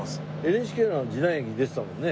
ＮＨＫの時代劇に出てたもんね。